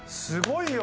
すごい。